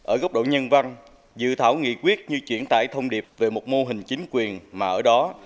ở góc độ nhân văn dự thảo nghị quyết như chuyển tải thông điệp về một mô hình chính quyền mà ở đó